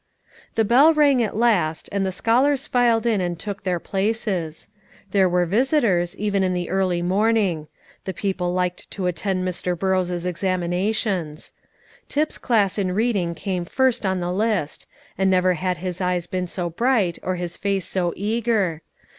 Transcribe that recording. The bell rang at last, and the scholars filed in and took their places. There were visitors, even in the early morning; the people liked to attend Mr. Burrows' examinations. Tip's class in reading came first on the list, and never had his eyes been so bright or his face so eager.